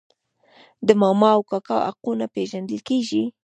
د ماما او کاکا حقونه پیژندل کیږي.